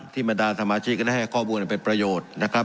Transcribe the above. บรรดาสมาชิกก็ได้ให้ข้อมูลเป็นประโยชน์นะครับ